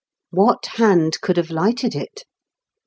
What hand could have lighted it